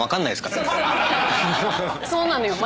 そうなのよ。